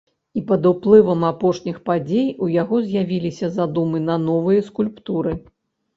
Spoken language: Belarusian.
І пад уплывам апошніх падзей у яго з'явіліся задумы на новыя скульптуры.